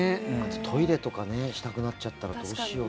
トイレとか行きたくなっちゃったらどうしよう。